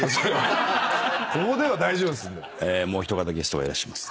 もう一方ゲストがいらっしゃいます。